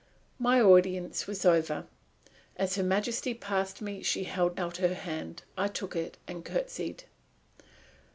My audience was over. As Her Majesty passed me she held out her hand. I took it and curtsied.